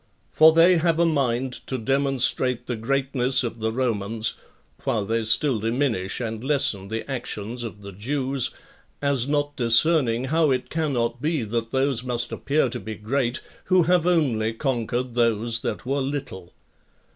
For they have a mind to demonstrate the greatness of the Romans, while they still diminish and lessen the actions of the Jews, as not discerning how it cannot be that those must appear to be great who have only conquered those that were little.